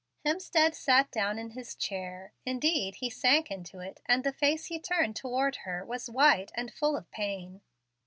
Hemstead sat down in his chair, indeed he sank into it, and the face he turned toward her was white and full of pain.